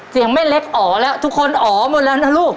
เสียงแม่เล็กอ๋อแล้วทุกคนอ๋อหมดแล้วนะลูก